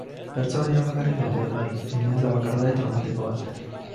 Pertsonaiak bakarrik daude, bai, baina ez da bakardade traumatiko bat.